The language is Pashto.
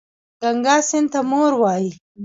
ګنګا سیند ته مور وايي.